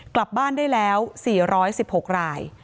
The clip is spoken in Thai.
กลับบ้านได้แล้ว๔๑๖ราย